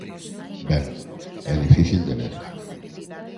Ben, é difícil de ler.